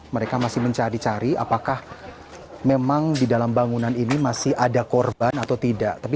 mereka masih mencari cari apakah memang di dalam bangunan ini masih ada korban atau tidak